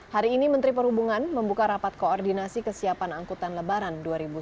hari ini menteri perhubungan membuka rapat koordinasi kesiapan angkutan lebaran dua ribu sembilan belas